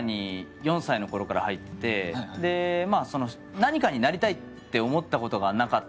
何かになりたいって思ったことがなかった。